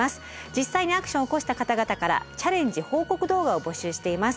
実際にアクションを起こした方々からチャレンジ報告動画を募集しています。